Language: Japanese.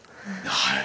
はい。